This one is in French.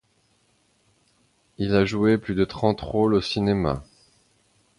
Il a joué plus de trente rôles au cinéma.